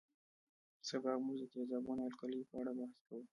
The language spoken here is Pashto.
سبا به موږ د تیزابونو او القلي په اړه بحث کوو